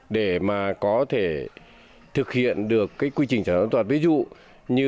để mà có thể thực hiện được cái quy trình sản xuất an toàn